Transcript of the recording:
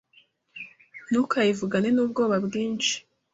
ntukayivugane n’ubwoba bwinshi